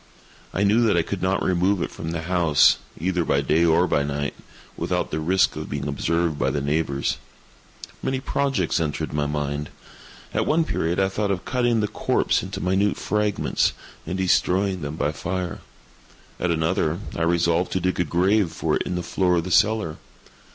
I knew that I could not remove it from the house, either by day or by night, without the risk of being observed by the neighbors. Many projects entered my mind. At one period I thought of cutting the corpse into minute fragments, and destroying them by fire. At another, I resolved to dig a grave for it in the floor of the cellar.